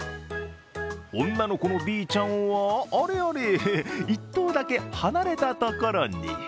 女の子のＢちゃんは、あれあれ、１頭だけ離れたところに。